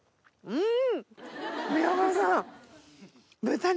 うん！